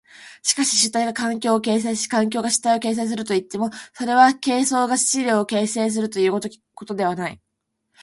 しかし主体が環境を形成し環境が主体を形成するといっても、それは形相が質料を形成するという如きことではない。